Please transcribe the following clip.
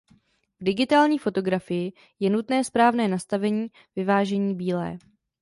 V digitální fotografii je nutné správné nastavení vyvážení bílé.